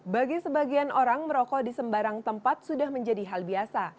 bagi sebagian orang merokok di sembarang tempat sudah menjadi hal biasa